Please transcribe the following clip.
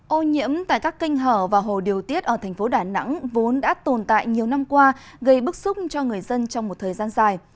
ô nhiễm tại các kênh hở và hồ điều tiết ở thành phố đà nẵng vốn đã tồn tại nhiều năm qua gây bức xúc cho người dân trong một thời gian dài